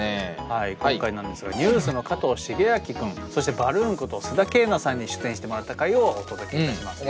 はい今回なんですがＮＥＷＳの加藤シゲアキ君そしてバルーンこと須田景凪さんに出演してもらった回をお届けいたします！